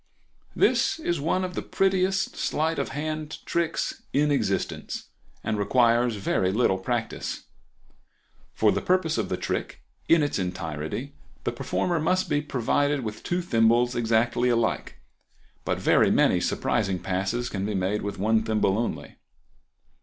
—This is one of the prettiest sleight of hand tricks in existence, and requires very little practice. For the purpose of the trick, in its entirety, the performer must be provided with two thimbles exactly alike; but very many surprising passes can be made with one thimble only.